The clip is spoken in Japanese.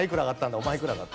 お前いくらだった？」。